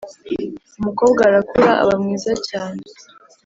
umukobwa arakura, aba mwiza cyane.